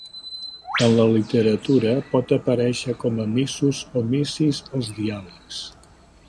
En la literatura, pot aparèixer com a "missus" o "missis" als diàlegs.